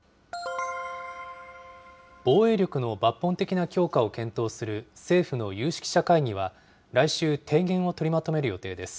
防衛力の抜本的な強化を検討する政府の有識者会議は、来週、提言を取りまとめる予定です。